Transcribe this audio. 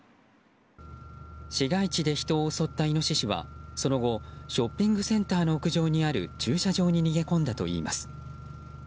市街地で人を襲ったイノシシはその後ショッピングセンターの屋上にある駐車場に逃げ込んだといいます。